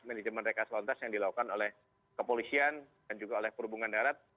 manajemen rekas lantas yang dilakukan oleh kepolisian dan juga oleh perhubungan darat